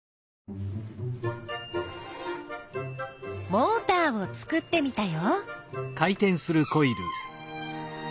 モーターを作ってみたよ。